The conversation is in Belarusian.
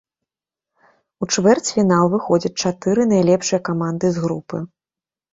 У чвэрцьфінал выходзяць чатыры найлепшыя каманды з групы.